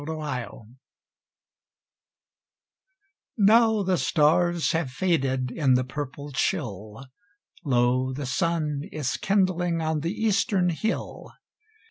At Sunrise Now the stars have faded In the purple chill, Lo, the sun is kindling On the eastern hill.